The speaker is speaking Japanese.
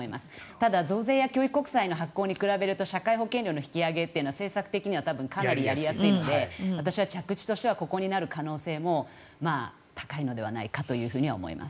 ただ、増税や教育国債の発行に比べると社会保険料の引き上げというのは政策的にはやりやすいので私は、着地としてはここになる可能性は高いのではないかとは思います。